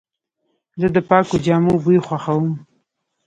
زه د پاکو جامو بوی خوښوم.